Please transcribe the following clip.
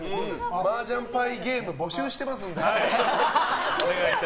マージャン牌ゲーム募集してますんで。